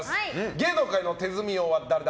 芸能界の手積み王は誰だ！？